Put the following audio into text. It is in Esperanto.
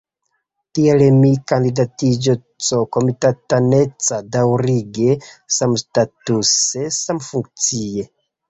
Tial mia kandidatiĝo C-komitataneca, daŭrige, samstatuse, samfunkcie.